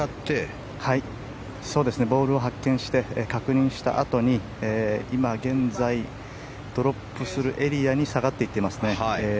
ボールを発見して確認したあとに今現在、ドロップするエリアに下がっていってますね。